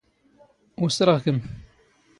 ⵓⵙⵔⵖ ⴽⵎ.